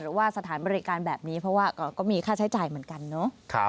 สถานบริการแบบนี้เพราะว่าก็มีค่าใช้จ่ายเหมือนกันเนาะ